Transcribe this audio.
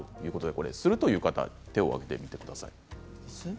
するという方手を上げてみてください。